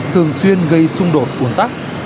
thường xuyên gây xung đột cuồng tắc